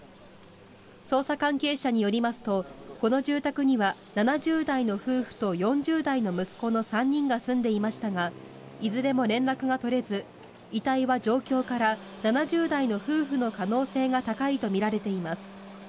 捜査関係者によりますとこの住宅には７０代の夫婦と４０代の息子の３人が住んでいましたがいずれも連絡が取れず遺体は状況から７０代の夫婦の可能性が高いとみられています。